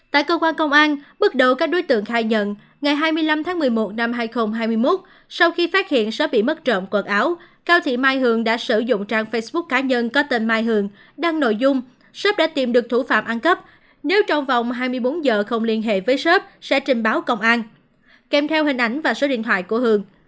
tại cơ quan công an bước đầu các đối tượng khai nhận ngày hai mươi năm tháng một mươi một năm hai nghìn hai mươi một sau khi phát hiện sớp bị mất trộm quần áo cao thị mai hường đã sử dụng trang facebook cá nhân có tên mai hường đăng nội dung sớp đã tìm được thủ phạm ăn cấp nếu trong vòng hai mươi bốn giờ không liên hệ với sớp sẽ trình báo công an kèm theo hình ảnh và số điện thoại của hường